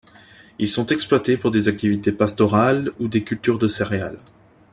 Ils sont exploités pour des activités pastorales ou des cultures de céréales.